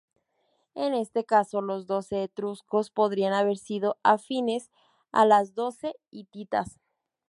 En este caso, los doce etruscos podrían haber sido afines a los doce hititas.